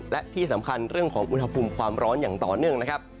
และที่สำคัญเรื่องของอุณหภูมิความร้อนอย่างต่อเนื่องนะครับ